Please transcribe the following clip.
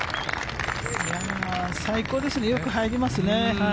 いやー、最高ですね、よく入りますね。